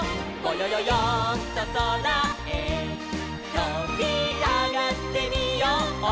よんとそらへとびあがってみよう」